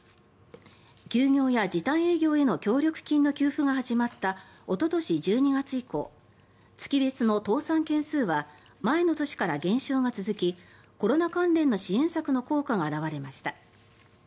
休業や時短営業への協力金の給付が始まったおととし１２月以降月別の倒産件数は前の年から減少が続きコロナ関連の支援策の効果が表れました。